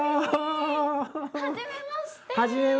はじめまして。